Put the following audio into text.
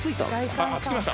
あっ着きました